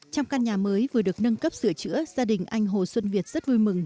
trong căn nhà mới vừa được nâng cấp sửa chữa gia đình anh hồ xuân việt rất vui mừng